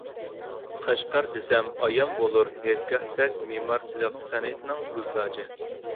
«قەشقەر» دېسەم، ئايان بولۇر ھېيتگاھتەك مېمارچىلىق سەنئىتىنىڭ گۈلتاجى.